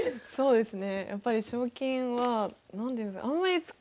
そうですね。